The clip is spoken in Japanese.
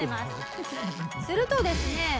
するとですね